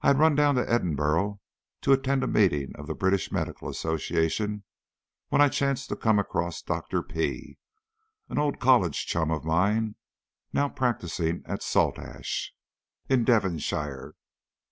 I had run down to Edinburgh to attend a meeting of the British Medical Association, when I chanced to come across Dr. P , an old college chum of mine, now practising at Saltash, in Devonshire.